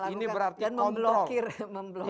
ini berarti kontrol